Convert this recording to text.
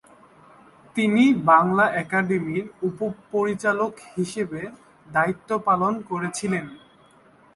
তিনি বাংলা একাডেমির উপ-পরিচালক হিসেবে দায়িত্ব পালন করেছিলেন।